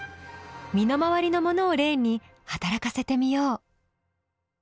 身の回りのものを例に働かせてみよう。